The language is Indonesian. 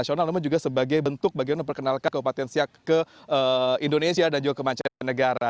asional namun juga sebagai bentuk bagaimana memperkenalkan bupati siak ke indonesia dan juga ke macam negara